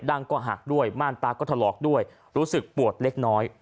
ั้งก็หักด้วยม่านตาก็ถลอกด้วยรู้สึกปวดเล็กน้อย